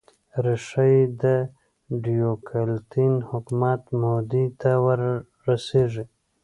ریښه یې د ډیوکلتین حکومت مودې ته ور رسېږي